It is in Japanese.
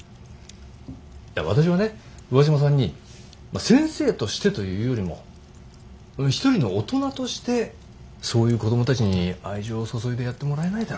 いや私はね上嶋さんにまあ先生としてというよりも一人の大人としてそういう子供たちに愛情を注いでやってもらえないだろうかと。